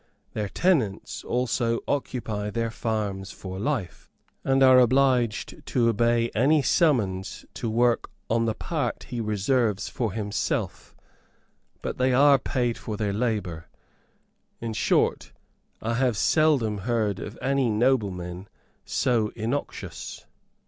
Their tenants also occupy their farms for life, and are obliged to obey any summons to work on the part he reserves for himself; but they are paid for their labour. In short, I have seldom heard of any noblemen so innoxious.